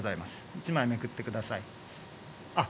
１枚めくってください。